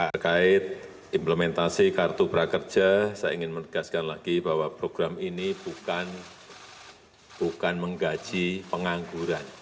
terkait implementasi kartu prakerja saya ingin menegaskan lagi bahwa program ini bukan menggaji pengangguran